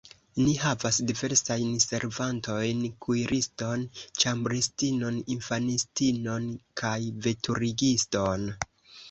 Ni havas diversajn servantojn: kuiriston, ĉambristinon, infanistinon kaj veturigiston.